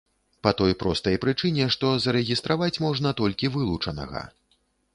Па той простай прычыне, што зарэгістраваць можна толькі вылучанага.